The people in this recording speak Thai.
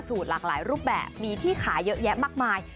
หลากหลายรูปแบบมีที่ขายเยอะแยะมากมาย